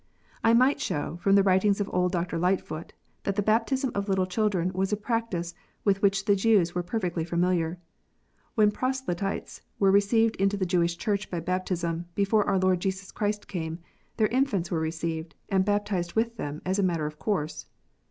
I might show, from the writings of old Dr. Lightfoot, that the baptism of little children was a practice with which the Jews were perfectly familiar. When proselytes were received into the Jewish Church by baptism, before our Lord Jesus Christ came, their infants were received, and baptized with them, as a matter of course.